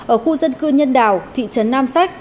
ở khu dân cư nhân đào thị trấn nam sách